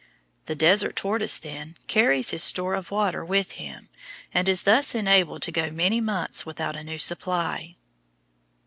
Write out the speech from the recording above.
The desert tortoise, then, carries his store of water with him, and is thus enabled to go many months without a new supply.